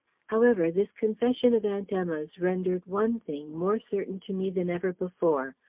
However, this confession of Aunt Emma's rendered one thing more certain to me than ever before.